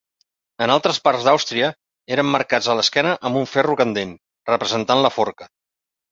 En altres parts d'Àustria eren marcats a l'esquena amb un ferro candent, representant la forca.